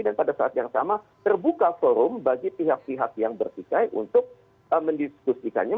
dan pada saat yang sama terbuka forum bagi pihak pihak yang berpisah untuk mendiskusikannya